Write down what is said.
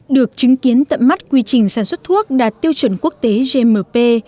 được chứng kiến tận mắt quy trình sản xuất thuốc đạt tiêu chuẩn quốc tế gmp